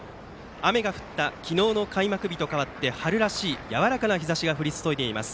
雨が降った昨日の開幕日と変わって春らしいやわらかな日ざしが降り注いでいます。